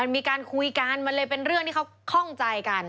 มีการคุยกันมันเลยเป็นเรื่องที่เขาคล่องใจกัน